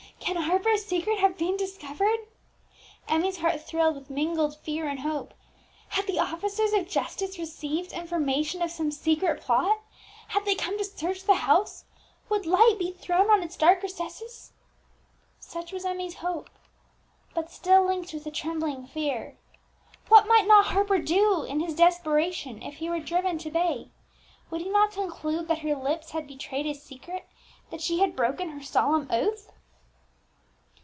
Can Harper's secret have been discovered?" Emmie's heart thrilled with mingled fear and hope. Had the officers of justice received information of some secret plot, had they come to search the house, would light be thrown on its dark recesses? Such was Emmie's hope, but still linked with a trembling fear. What might not Harper do, in his desperation, if he were driven to bay? Would he not conclude that her lips had betrayed his secret, that she had broken her solemn oath?